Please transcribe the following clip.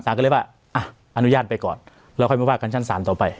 ก็เลยว่าอ่ะอนุญาตไปก่อนแล้วค่อยมาว่ากันชั้นศาลต่อไป